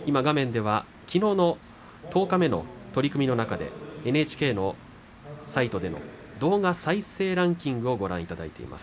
きのう十日目の取組の中でＮＨＫのサイトでの動画再生ランキングをご覧いただいています。